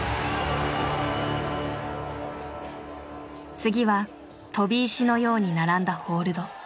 次は飛び石のように並んだホールド。